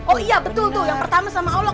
oh iya betul tuh yang pertama sama allah